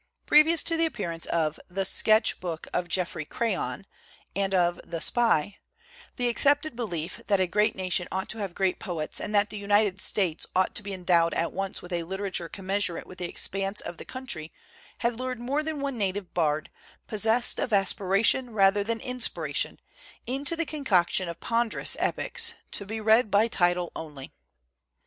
Previous to the appearance of the 'Sketch Book of Geoffrey Cray on ' and of the 'Spy,' the accepted belief that a great na tion ought to have great poets, and that the United States ought to be endowed at once with a literature commensurate with the expanse of the country, had lured more than one native bard, possest of aspiration rather than inspira tion, into the concoction of ponderous epics, to be read by title only.